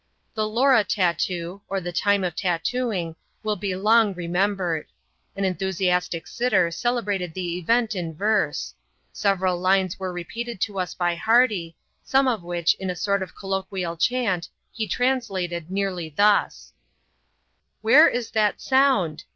" Lora Tattoo," or the Time of Tattooing, wiU be long )ered. An enthusiastic sitter celebrated the event in Several lines were repeated to us by Hardy, some of in a sort of colloquial chant, he translated nearly thus :Where is that sound?